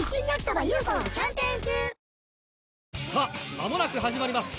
間もなく始まります